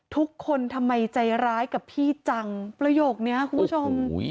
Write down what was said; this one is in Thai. ทุกคนทำไมใจร้ายกับพี่จังประโยคนี้คุณผู้ชม